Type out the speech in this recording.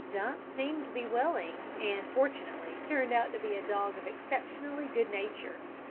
Dumps seemed to be willing, and, fortunately, turned out to be a dog of exceptionally good nature.